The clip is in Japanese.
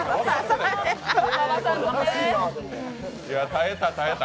耐えた耐えた。